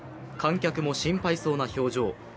観客も心配そうな表情。